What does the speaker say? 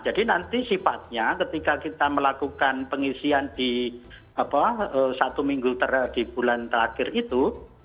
jadi nanti sifatnya ketika kita melakukan pengisian di satu minggu terakhir di bulan terakhir itu